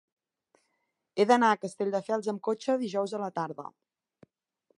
He d'anar a Castelldefels amb cotxe dijous a la tarda.